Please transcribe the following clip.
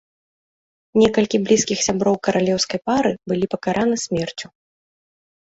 Некалькі блізкіх сяброў каралеўскай пары былі пакараны смерцю.